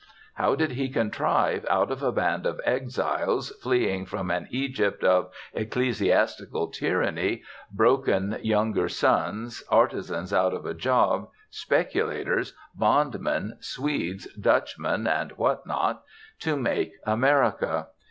How did he contrive, out of a band of exiles fleeing from an Egypt of ecclesiastical tyranny, broken younger sons, artisans out of a job, speculators, bondmen, Swedes, Dutchmen, and what not, to make America?